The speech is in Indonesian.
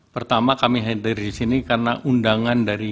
pertama kami hadir di sini karena undangan dari